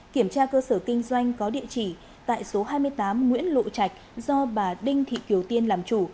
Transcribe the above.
kiểm tra cơ sở kinh doanh có địa chỉ tại số hai mươi tám nguyễn lộ trạch do bà đinh thị kiều tiên làm chủ